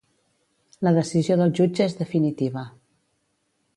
La decisió del jutge és definitiva.